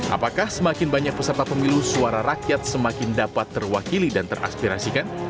apakah semakin banyak peserta pemilu suara rakyat semakin dapat terwakili dan teraspirasikan